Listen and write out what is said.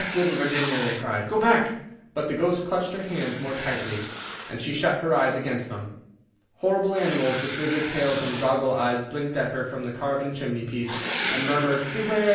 little Virginia," they cried, "go back!" but the ghost clutched her hand more tightly, and she shut her eyes against them. Horrible animals with lizard tails and goggle eyes blinked at her from the carven chimneypiece, and murmured, "Beware!